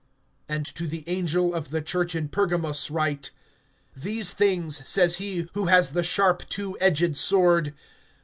(12)And to the angel of the church in Pergamus write: These things says he who has the sharp two edged sword.